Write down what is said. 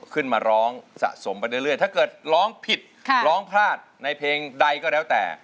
ขึ้นมาร้องสะสมไปเรื่อยถ้าเกิดร้องผิดร้องพลาดในเพลงใดก็แล้วแต่